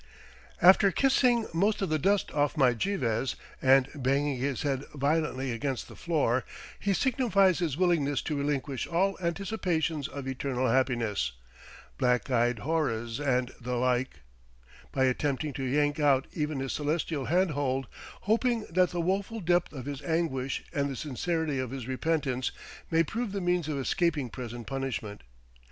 After kissing most of the dust off my geivehs, and banging his head violently against the floor, he signifies his willingness to relinquish all anticipations of eternal happiness, black eyed houris and the like, by attempting to yank out even this Celestial hand hold, hoping that the woeful depth of his anguish and the sincerity of his repentance may prove the means of escaping present punishment.